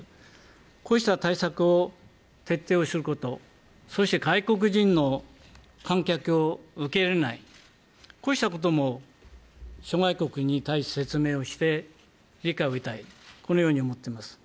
こうした対策を徹底をすること、そして外国人の観客を受け入れない、こうしたことも、諸外国に対し説明をして、理解を得たい、このように思ってます。